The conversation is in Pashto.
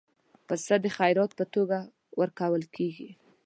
پسه د خیرات په توګه ورکول کېږي.